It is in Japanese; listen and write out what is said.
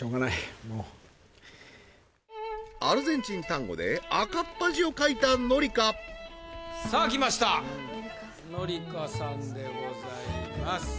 もうアルゼンチンタンゴで赤っ恥をかいた紀香さあ来ました紀香さんでございます